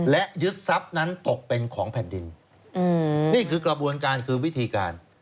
และยึดทรัพย์นั้นตกเป็นของแผ่นดินนี่คือกระบวนการคือวิธีการ